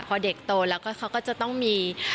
พอเด็กโตแล้วก็เขาก็จะต้องมี